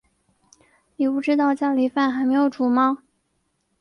妳不知道家里饭还没煮吗